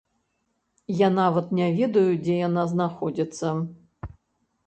Я нават не ведаю дзе яна знаходзіцца.